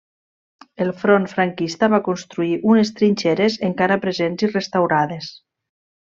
El front franquista va construir unes trinxeres encara presents i restaurades.